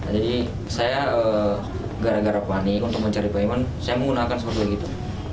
jadi saya gara gara panik untuk mencari pembayaran saya menggunakan seperti itu